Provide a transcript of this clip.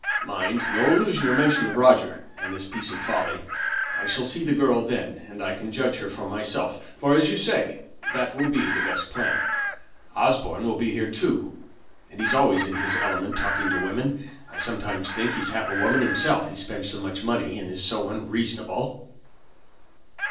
Mind, no allusion or mention of Roger, and this piece of folly. I shall see the girl then, and I can judge her for myself; for, as you say, that will be the best plan. Osborne will be here too; and he's always in his element talking to women. I sometimes think he's half a woman himself, he spends so much money and is so unreasonable."